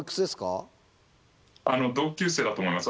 あの同級生だと思います。